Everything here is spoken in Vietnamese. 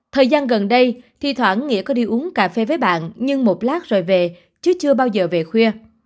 thời gian gần đây thi thoảng nghĩa có đi uống cà phê với bạn nhưng một lát rồi về chứ chưa bao giờ về khuya